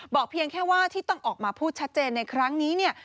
เพียงแค่ว่าที่ต้องออกมาพูดชัดเจนในครั้งนี้เนี่ย